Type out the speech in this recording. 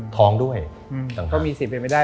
ท้องด้วยก็มีสินเป็นไม่ได้